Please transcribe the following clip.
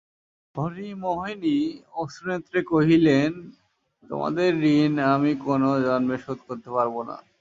হরিমোহিনী অশ্রুনেত্রে কহিলেন, তোমাদের ঋণ আমি কোনো জন্মে শোধ করতে পারব না।